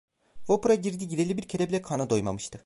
Vapura girdi gireli bir kere bile karnı doymamıştı.